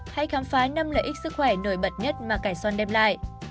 hãy khám phá năm lợi ích sức khỏe nổi bật nhất mà cải son đem lại